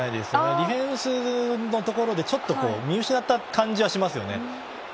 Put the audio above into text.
ディフェンスのところでちょっと見失った感じがしますよね。